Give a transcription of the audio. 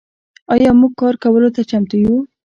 آیا موږ کار کولو ته چمتو یو؟